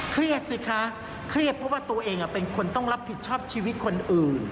สิคะเครียดเพราะว่าตัวเองเป็นคนต้องรับผิดชอบชีวิตคนอื่น